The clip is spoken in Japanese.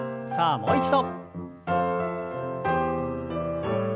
もう一度。